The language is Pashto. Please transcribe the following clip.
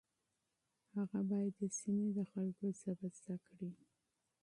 هغه باید د سیمې د خلکو ژبه زده کړي.